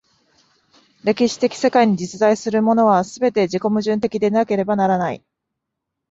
歴史的世界に実在するものは、すべて自己矛盾的でなければならない。